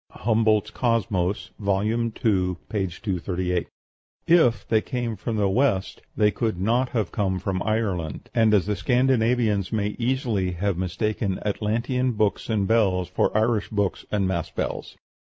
(Humboldt's "Cosmos," vol. ii., 238.) If they came "from the West" they could not have come from Ireland; and the Scandinavians may easily have mistaken Atlantean books and bells for Irish books and mass bells.